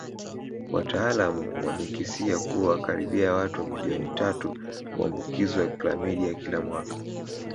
Wataalamu wamekisia kuwa karibia watu milioni tatu huambukizwa klamidia kila mwaka